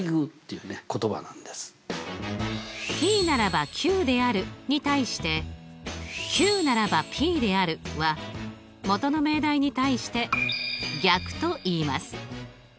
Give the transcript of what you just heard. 「ｐならばｑである」に対して「ｑならばｐである」は元の命題に対して逆といいます。